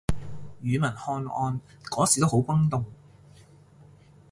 庾文翰案嗰時都好轟動